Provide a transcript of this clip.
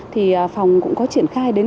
thì phòng cũng có triển khai đến